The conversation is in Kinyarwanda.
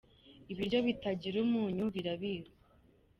ibiryo bitagira umunyu birabiha